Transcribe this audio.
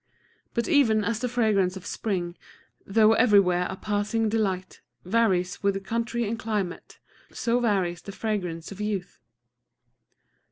But even as the fragrance of spring, though everywhere a passing delight, varies with country and climate, so varies the fragrance of youth.